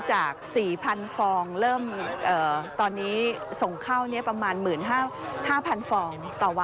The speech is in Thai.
จาก๔๐๐ฟองเริ่มตอนนี้ส่งเข้าประมาณ๑๕๐๐ฟองต่อวัน